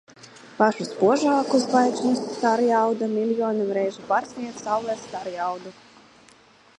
Pašu spožāko zvaigžņu starjauda miljoniem reižu pārsniedz Saules starjaudu.